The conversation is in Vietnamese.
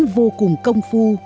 vô cùng công phu